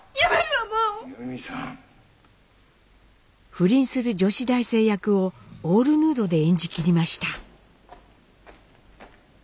不倫する女子大生役をオールヌードで演じきりました。